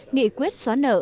nghị quyết xóa nợ